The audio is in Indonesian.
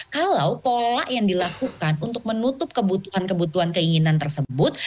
kalau pola yang dilakukan untuk menutup kebutuhan kebutuhan keinginan tersebut